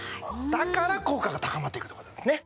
だから効果が高まっていくという事なんですね。